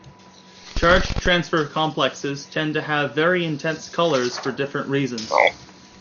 Charge-transfer complexes tend to have very intense colors for different reasons.